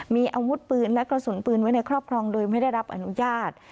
มีอาวุธปืนและกระสุนปืนไว้ในครอบครองโดยไม่ได้รับอนุญาต